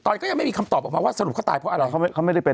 ตอนนี้ก็ยังไม่มีคำตอบออกมาว่าสรุปเขาตายเพราะอะไร